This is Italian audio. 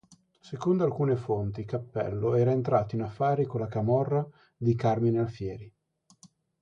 Secondo alcune fonti Cappello era entrato in affari con la camorra di Carmine Alfieri.